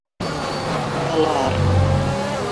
- Былар!..